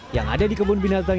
yang ada di kebun binatang